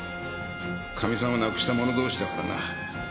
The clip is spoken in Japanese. かみさんを亡くした者同士だからな。